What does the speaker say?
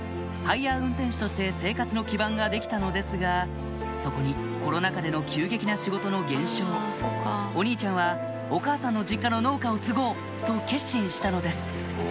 ハイヤー運転手として生活の基盤が出来たのですがそこにコロナ禍での急激な仕事の減少お兄ちゃんは「お母さんの実家の農家を継ごう」と決心したのです